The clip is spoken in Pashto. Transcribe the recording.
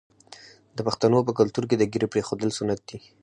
د پښتنو په کلتور کې د ږیرې پریښودل سنت دي.